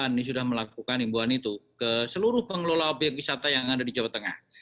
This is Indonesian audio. kami sudah melakukan imbuan itu ke seluruh pengelola obyek wisata yang ada di jawa tengah